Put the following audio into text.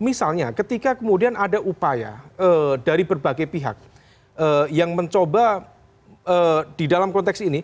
misalnya ketika kemudian ada upaya dari berbagai pihak yang mencoba di dalam konteks ini